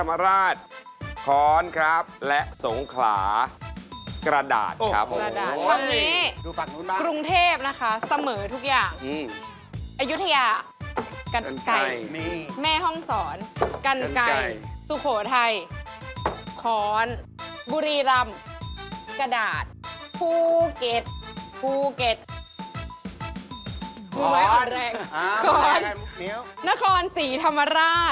เออเอาสุพรรณมา